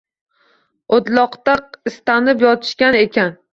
O’tloqda istanib yotishgan ekan